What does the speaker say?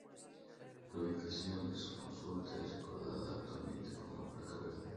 La ubicación de su consulta es recordada actualmente por una placa verde.